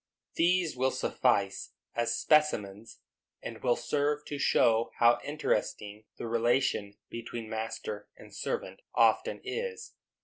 These will suffice as specimens, and will serve to show how interesting the relation between master and servant often is.